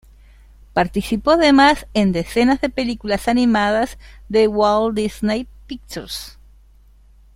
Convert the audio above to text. Participó, además, en decenas de películas animadas de Walt Disney Pictures.